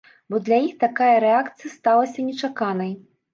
Бо для іх такая рэакцыя сталася нечаканай.